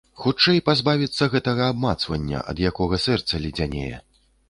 Хутчэй пазбавіцца гэтага абмацвання, ад якога сэрца ледзянее!